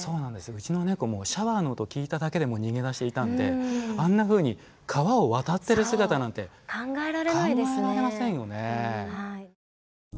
うちのネコもシャワーの音聞いただけでもう逃げ出していたんであんなふうに川を渡ってる姿なんて考えられませんよね。